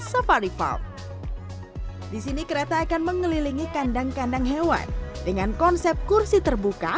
safari park di sini kereta akan mengelilingi kandang kandang hewan dengan konsep kursi terbuka